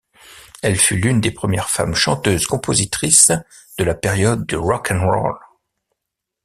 Elle fut l'une des premières femmes chanteuses-compositrices de la période du rock 'n' roll.